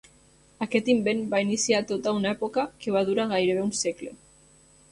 Aquest invent va iniciar tota una època que va durar gairebé un segle.